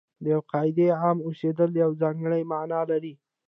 د یوې قاعدې عام اوسېدل یوه ځانګړې معنا لري.